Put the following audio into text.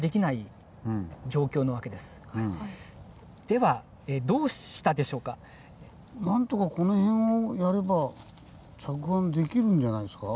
実はそれこそがなんとかこの辺をやれば着岸できるんじゃないですか。